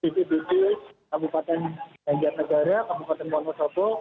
cctv kabupaten tenggara negara kabupaten monosobo